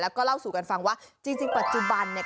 แล้วก็เล่าสู่กันฟังว่าจริงปัจจุบันเนี่ย